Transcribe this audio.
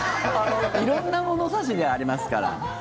色んな物差しでありますから。